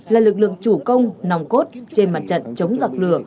là lực lượng chủ công nòng cốt trên mặt trận chống giặc lửa